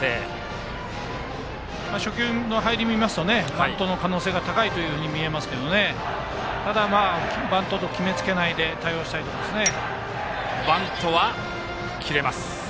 初球の入りを見ますとバントの可能性が高いというふうに見えますがただ、バントと決め付けないで対応したいですね。